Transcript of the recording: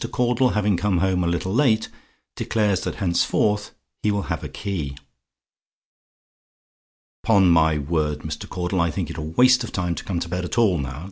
CAUDLE HAVING COME HOME A LITTLE LATE, DECLARES THAT HENCEFORTH "HE WILL HAVE A KEY." "'Pon my word, Mr. Caudle, I think it a waste of time to come to bed at all now!